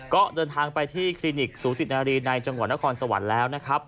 ก็เดินทางไปที่คลินิกสูจิตนารีในจังหวัดนครสวรรค์แล้วนะครับ